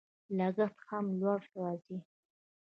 لګښت هم لوړ راځي.